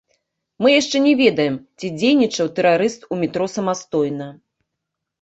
Мы яшчэ не ведаем, ці дзейнічаў тэрарыст у метро самастойна.